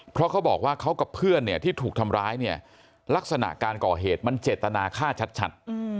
เพราะเขาบอกว่าเขากับเพื่อนเนี่ยที่ถูกทำร้ายเนี่ยลักษณะการก่อเหตุมันเจตนาฆ่าชัด